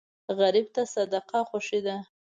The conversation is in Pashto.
غریب ته صدقه خوښي ده